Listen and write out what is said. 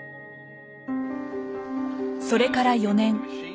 それから４年。